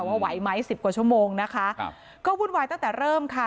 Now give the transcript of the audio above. ว่าไหวไหมสิบกว่าชั่วโมงนะคะครับก็วุ่นวายตั้งแต่เริ่มค่ะ